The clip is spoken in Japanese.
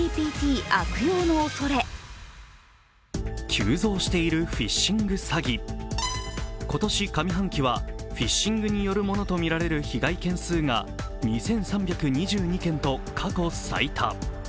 急増しているフィッシング詐欺今年上半期はフィッシングによるものとみられる被害件数が２３２２件と過去最多。